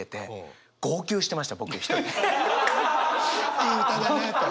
いい歌だねえと？